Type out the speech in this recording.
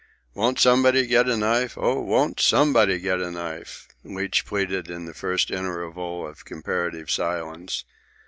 "Won't somebody get a knife? Oh, won't somebody get a knife?" Leach pleaded in the first interval of comparative silence.